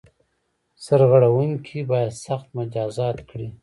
سرغړوونکي باید سخت مجازات کړي.